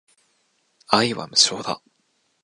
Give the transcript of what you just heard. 愛は無償だ